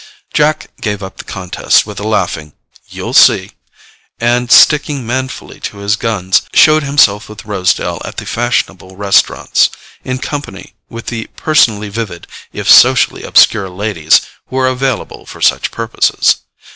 Jack gave up the contest with a laughing "You'll see," and, sticking manfully to his guns, showed himself with Rosedale at the fashionable restaurants, in company with the personally vivid if socially obscure ladies who are available for such purposes.